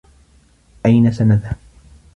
أين سنذهب؟